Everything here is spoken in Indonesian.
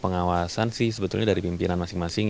pengawasan sih sebetulnya dari pimpinan masing masing